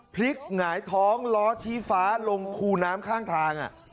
หงายท้องล้อชี้ฟ้าลงคูน้ำข้างทาง